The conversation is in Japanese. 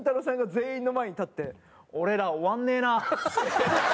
さんが全員の前に立って「俺ら終わんねえな」。